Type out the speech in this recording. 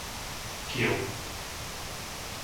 Kyjov